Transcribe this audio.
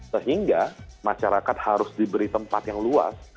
sehingga masyarakat harus diberi tempat yang luas